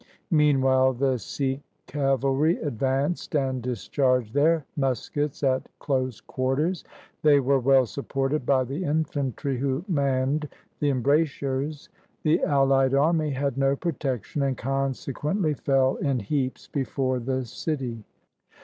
Meanwhile the Sikh cavalry advanced and discharged their muskets at close quarters. They were well supported by the infantry who manned the embrasures. The allied army had no protection, and consequently fell in heaps before the city.